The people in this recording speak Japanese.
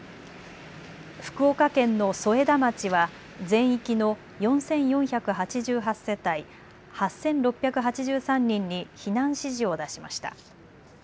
福岡県の添田町は全域の４４８８世帯、８６８３人に避難指示を出しました。